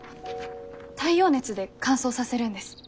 太陽熱で乾燥させるんです。